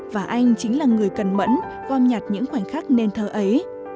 và anh chính là người cần mẫn gom nhặt những khoảnh khắc nền thơ ấy